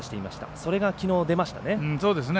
それがきのう出ましたね。